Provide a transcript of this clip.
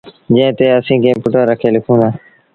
جݩهݩ تي اسيٚݩ ڪمپيوٽر رکي لکون دآ۔